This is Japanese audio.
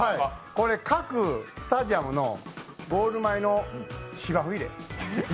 これ、各スタジアムのゴール前の芝生入れ。